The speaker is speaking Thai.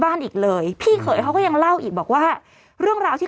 อีกเลยพี่เขยเขาก็ยังเล่าอีกบอกว่าเรื่องราวที่